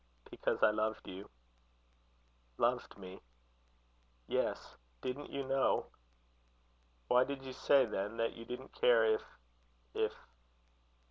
"Because I loved you." "Loved me?" "Yes. Didn't you know?" "Why did you say, then, that you didn't care if if